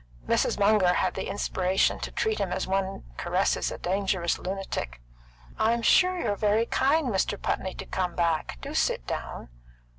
Mrs. Munger had the inspiration to treat him as one caresses a dangerous lunatic. "I'm sure you're very kind, Mr. Putney, to come back. Do sit down!"